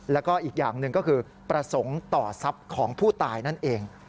แล้วก็อีกอย่างหนึ่งก็คือประสงค์ต่อทรัพย์ของผู้ตายนั่นเอง